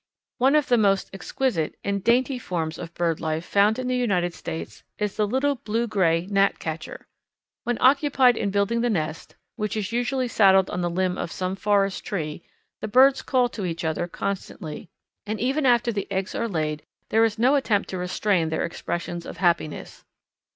One of the most exquisite and dainty forms of bird life found in the United States is the little Blue gray Gnatcatcher. When occupied in building the nest, which is usually saddled on the limb of some forest tree, the birds call to each other constantly; and even after the eggs are laid there is no attempt to restrain their expressions of happiness.